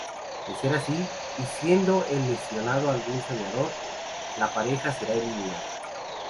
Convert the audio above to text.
De ser así, y siendo el lesionado algún soñador, la pareja será eliminada.